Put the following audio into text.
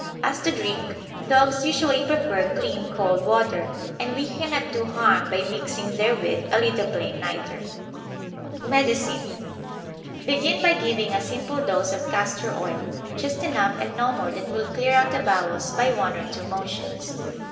As to drink, dogs usually prefer clean cold water, and we cannot do harm by mixing therewith a little plain nitre. Oatmeal porridge made with milk instead of water. Medicine Begin by giving a simple dose of castor oil, just enough and no more than will clear out the bowels by one or two motions.